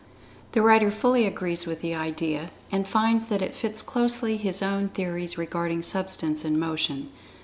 The writer fully agrees with this idea, and finds that it fits closely his own theories regarding Substance and Motion.